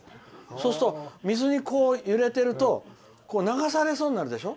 そうすると、水に揺れてると流されそうになるでしょ。